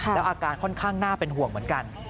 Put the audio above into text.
แล้วอาการค่อนข้างน่าเป็นห่วงเหมือนกัน